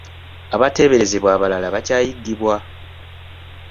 Abateeberezebwa abalala bakyayiggibwa.